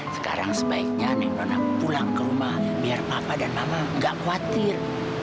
sekarang sebaiknya neng nona pulang ke rumah biar papa dan mama nggak khawatir